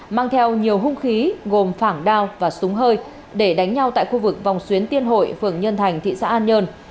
mang theo nhiều hung khí gồm phảng đao và súng hơi để đánh nhau tại khu vực vòng xuyến tiên hội phường nhân thành thị xã an nhơn